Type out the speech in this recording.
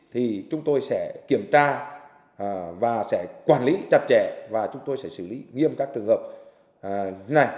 thì chúng tôi sẽ kiểm tra và sẽ quản lý chặt chẽ và chúng tôi sẽ xử lý nghiêm các trường hợp này